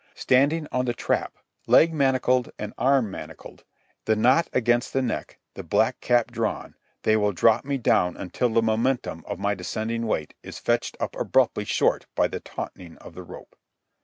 Standing on the trap, leg manacled and arm manacled, the knot against the neck, the black cap drawn, they will drop me down until the momentum of my descending weight is fetched up abruptly short by the tautening of the rope.